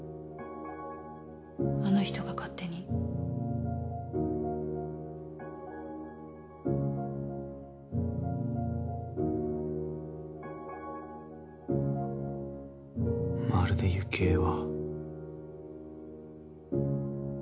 あの人が勝手にまるで雪映は